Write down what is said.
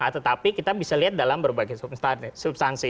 tetapi kita bisa lihat dalam berbagai substansi